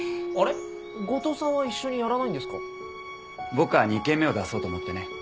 僕は２軒目を出そうと思ってね。